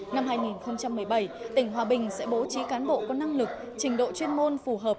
năm hai nghìn một mươi bảy tỉnh hòa bình sẽ bố trí cán bộ có năng lực trình độ chuyên môn phù hợp